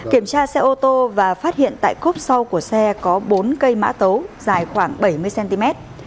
kiểm tra xe ô tô và phát hiện tại cốp sau của xe có bốn cây mã tấu dài khoảng bảy mươi cm